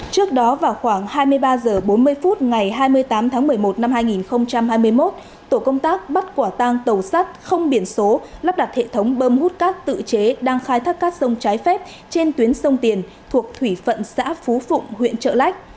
trước đó vào khoảng hai mươi ba h bốn mươi phút ngày hai mươi tám tháng một mươi một năm hai nghìn hai mươi một tổ công tác bắt quả tang tàu sắt không biển số lắp đặt hệ thống bơm hút cát tự chế đang khai thác cát sông trái phép trên tuyến sông tiền thuộc thủy phận xã phú phụng huyện trợ lách